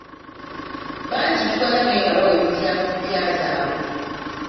Bangi tubalabye nga bawemukira ku mpya zaabwe.